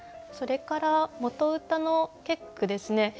それから元歌の結句ですね。